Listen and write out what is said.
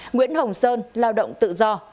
sáu nguyễn hồng sơn lao động tự do